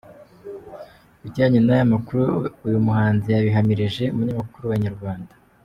Ibijyanye n'aya makuru uyu muhanzikazi yabihamirije umunyamakuru wa Inyarwanda.